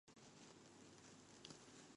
禅智内供の鼻と云えば、池の尾で知らない者はない。